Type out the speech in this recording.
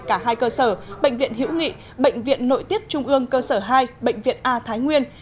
cả hai cơ sở bệnh viện hữu nghị bệnh viện nội tiết trung ương cơ sở hai bệnh viện a thái nguyên